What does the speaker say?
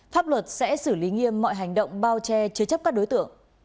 pháp luật sẽ xử lý nghiêm mọi hành động bao che chứa chấp các đối tượng